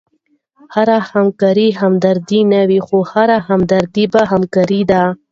هره همکاري همدردي نه يي؛ خو هره همدردي بیا همکاري ده.